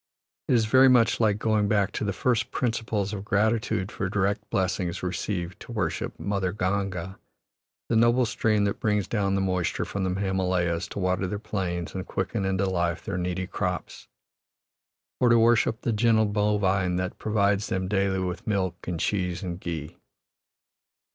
It is very much like going back to the first principles of gratitude for direct blessings received to worship "Mother Ganga," the noble stream that brings down the moisture from the Himalayas to water their plains and quicken into life their needy crops, or to worship the gentle bovine that provides them daily with milk and cheese and ghee.